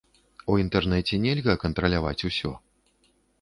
У інтэрнэце нельга кантраляваць усё.